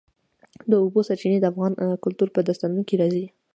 د اوبو سرچینې د افغان کلتور په داستانونو کې راځي.